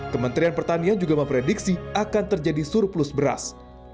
kementerian pertanian juga memprediksi akan terjadi surplus beras